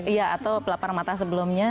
iya atau pelapar mata sebelumnya